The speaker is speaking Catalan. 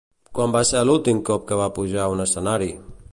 Quan va ser l'últim cop que va pujar a un escenari?